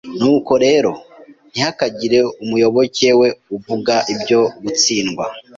Nuko rero, ntihakagire umuyoboke we uvuga ibyo gutsindwa